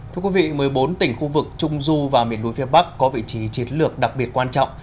thưa quý vị một mươi bốn tỉnh khu vực trung du và miền núi phía bắc có vị trí chiến lược đặc biệt quan trọng